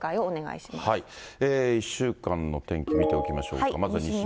１週間の天気見ておきましょ